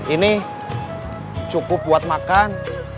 ini cukup buat makan